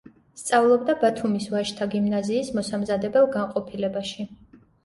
სწავლობდა ბათუმის ვაჟთა გიმნაზიის მოსამზადებელ განყოფილებაში.